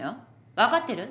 分かってる？